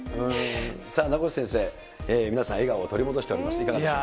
さあ名越先生、皆さん笑顔を取り戻しております、いかがでしょう。